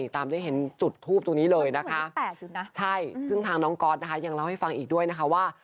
ตามได้เห็นจุดทูปตรงนี้เลยนะคะใช่ซึ่งทางน้องก๊อตนะคะยังเล่าให้ฟังอีกด้วยนะคะว่า